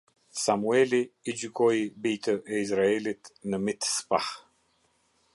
Samueli i gjykoi bijtë e Izraelit në Mitspah.